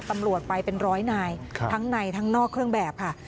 ตำรวจไปเป็นร้อยนายทั้งในทั้งนอกเครื่องแบบค่ะ